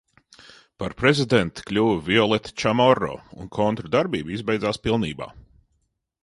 Par prezidenti kļuva Violeta Čamorro un kontru darbība izbeidzās pilnībā.